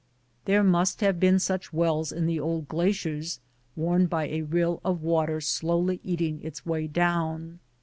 There must have been such wells in the old glaciers, worn by a rill of water slowly eating its way down.